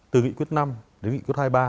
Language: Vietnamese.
từ nghị quyết năm đến nghị quyết hai mươi ba